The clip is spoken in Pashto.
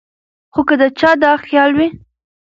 خو کۀ د چا دا خيال وي